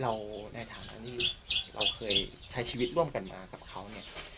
ในฐานะที่เราเคยใช้ชีวิตร่วมกันมากับเขาเนี่ย